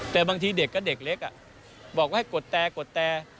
แต่บางทีเด็กก็เด็กเล็กบอกว่าให้กดแต่กดแต่